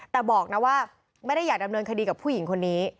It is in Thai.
แต่บอกนะว่าไม่ได้อยากดำเนินคดีกับผู้หญิงคนนี้